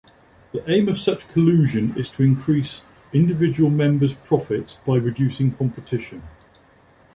The aim of such collusion is to increase individual member's profits by reducing competition.